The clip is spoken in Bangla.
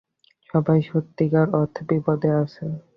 সবাই সত্যিকার অর্থে বিপদে আছে।